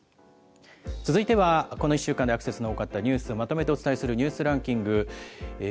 続いてはこの１週間でアクセスの多かったニュース、まとめとお伝えするニュースランキング。